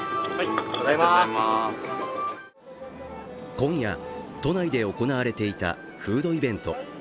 今夜、都内で行われていたフードイベント。